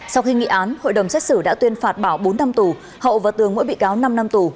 sau khi nghị án hội đồng xét xử đã tuyên phạt bảo bốn năm tù hậu và tường mỗi bị cáo năm năm tù